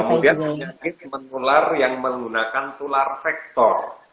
kemudian penyakit yang menular yang menggunakan tular vektor